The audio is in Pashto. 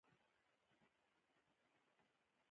د دویم چارلېز په راتګ سره د هوسیو پارک بیا ډک شو.